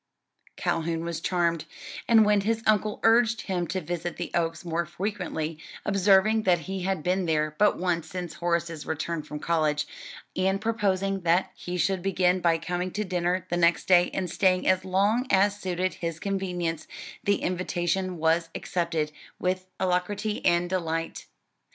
Calhoun was charmed, and when his uncle urged him to visit the Oaks more frequently, observing that he had been there but once since Horace's return from college, and proposing that he should begin by coming to dinner the next day and staying as long as suited his convenience, the invitation was accepted with alacrity and delight.